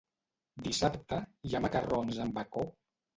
Dissabte hi ha macarrons amb bacó?